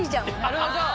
なるほど。